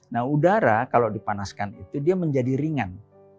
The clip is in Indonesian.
nah udara kalau dipanaskan itu dia menjadi ringan